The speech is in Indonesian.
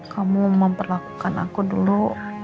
kamu memperlakukan aku dulu